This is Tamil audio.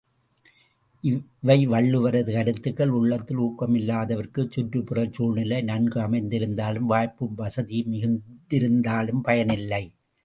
இவை வள்ளுவரது கருத்துக்கள், உள்ளத்தில் ஊக்கமில்லாதவர்க்குச் சுற்றுப்புறச் சூழ்நிலை நன்கு அமைந்திருந்தாலும், வாய்ப்பும் வசதியும் மிகுந்திருந்தாலும் பயனில்லை.